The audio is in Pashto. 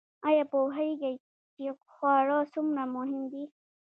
ایا پوهیږئ چې خواړه څومره مهم دي؟